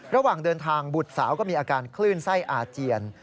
ระหว่างเดินทางบุตรสาวก็มีอาการคลื่นไส้อาเจียน